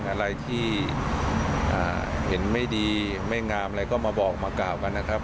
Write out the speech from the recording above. อะไรที่เห็นไม่ดีไม่งามอะไรก็มาบอกมากล่าวกันนะครับ